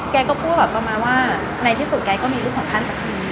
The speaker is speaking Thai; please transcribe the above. แกก็พูดตอนนั้นว่าในที่สุดแกก็มีรูปของท่าน